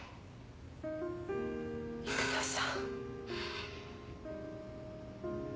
育田さん。